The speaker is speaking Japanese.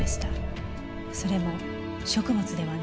それも食物ではない。